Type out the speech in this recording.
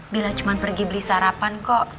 bila cuma pergi beli sarapan kok